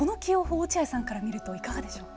落合さんから見るといかがでしょうか。